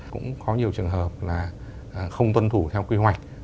cũng có nhiều trường hợp là không tuân thủ theo quy hoạch